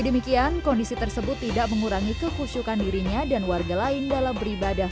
demikian kondisi tersebut tidak mengurangi kekusukan dirinya dan warga lain dalam beribadah